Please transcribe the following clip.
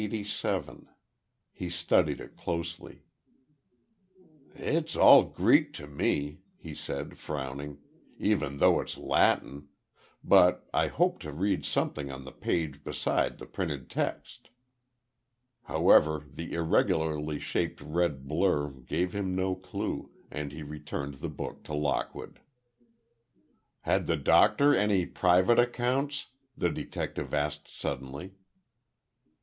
He studied it closely. "It's all Greek to me," he said, frowning, "even though it's Latin, but I hoped to read something on the page beside the printed text." However, the irregularly shaped red blur gave him no clue, and he returned the book to Lockwood. "Had the Doctor any private accounts?" the detective asked suddenly.